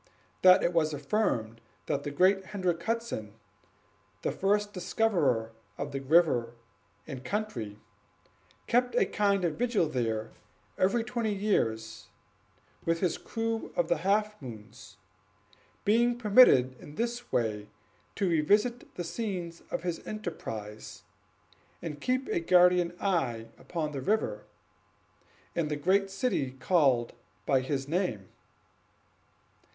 That it was affirmed that the great Hendrick Hudson, the first discoverer of the river and country, kept a kind of vigil there every twenty years, with his crew of the Half moon; being permitted in this way to revisit the scenes of his enterprise, and keep a guardian eye upon the river and the great city called by his name.